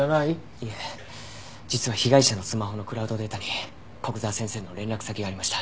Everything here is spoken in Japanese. いえ実は被害者のスマホのクラウドデータに古久沢先生の連絡先がありました。